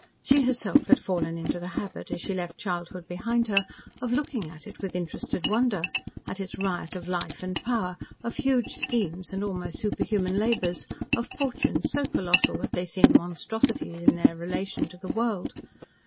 She herself had fallen into the habit, as she left childhood behind her, of looking at it with interested wonder at its riot of life and power, of huge schemes, and almost superhuman labours, of fortunes so colossal that they seemed monstrosities in their relation to the world.